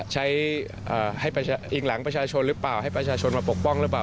ให้อิงหลังประชาชนหรือเปล่าให้ประชาชนมาปกป้องหรือเปล่า